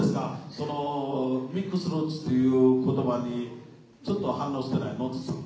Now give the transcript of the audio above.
その「ミックスルーツ」っていう言葉にちょっと反応してない野津さん。